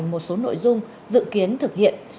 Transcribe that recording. một số nội dung dự kiến thực hiện